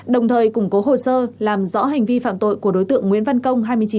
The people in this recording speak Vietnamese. đồng thời củng cố hồ sơ làm rõ hành vi phạm tội của đối tượng nguyễn văn công hai mươi chín tuổi